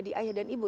di ayah dan ibu